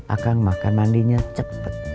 akang makan mandinya cepet